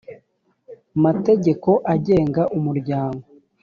mategeko agenga umuryango